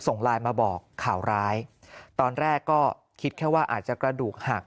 ส่งไลน์มาบอกข่าวร้ายตอนแรกก็คิดแค่ว่าอาจจะกระดูกหัก